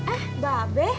eh mbak be